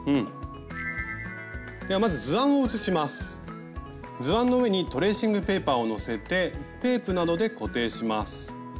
ではまず図案の上にトレーシングペーパーをのせてテープなどで固定します。